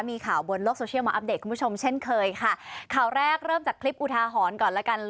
มีข่าวบนโลกโซเชียลมาอัปเดตคุณผู้ชมเช่นเคยค่ะข่าวแรกเริ่มจากคลิปอุทาหรณ์ก่อนแล้วกัน